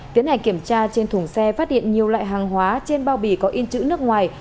tiến hành kiểm tra trên thùng xe phát hiện nhiều loại hàng hóa trên bao bì có in chữ nước ngoài